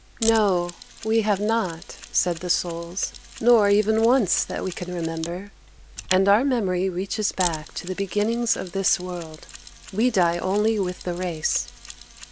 "No, we have not," said the Souls, "not even once that we can remember; and our memory reaches back to the beginnings of this world. We die only with the race."